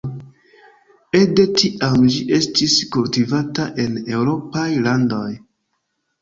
Ekde tiam ĝi estas kultivata en eŭropaj landoj.